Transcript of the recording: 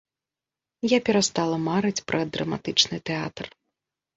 Я перастала марыць пра драматычны тэатр.